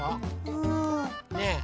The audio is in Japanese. うん。ねえ？